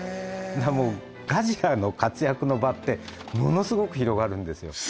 日本にもうガジラの活躍の場ってものすごく広がるんですよ